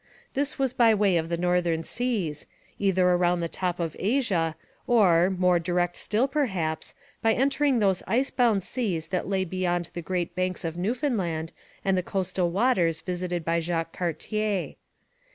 This was by way of the northern seas, either round the top of Asia or, more direct still perhaps, by entering those ice bound seas that lay beyond the Great Banks of Newfoundland and the coastal waters visited by Jacques Cartier.